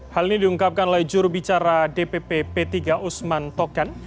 hal ini diungkapkan oleh jurubicara dpp p tiga usman token